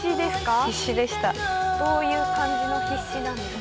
どういう感じの必死なんですか？